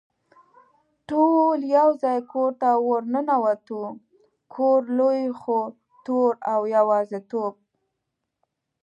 ټول یو ځای کور ته ور ننوتو، کور لوی خو تور او د یوازېتوب.